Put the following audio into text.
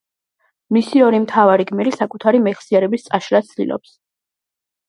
მისი ორი მთავარი გმირი საკუთარი მეხსიერების წაშლას ცდილობს.